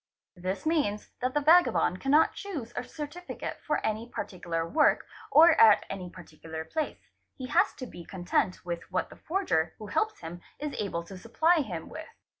This means that the vagabond cannot choose a certificate for any _ particular work or at any particular place; he has to be content with what the forger who helps him is able to supply him with, ¢.